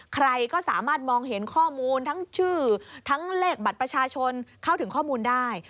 ใครก็สามารถมองเห็นข้อมูลทั้งชื่อทั้งเลขบัตรประชาชนเข้าถึงข้อมูลได้